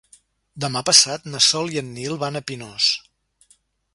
Demà passat na Sol i en Nil van a Pinós.